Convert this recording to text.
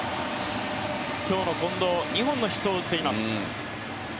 今日の近藤、２本のヒットを打っています。